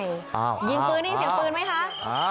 ยิงปืนได้ยินเสียงปืนไหมคะ